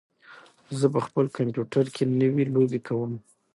زه په خپل کمپیوټر کې نوې لوبې کوم.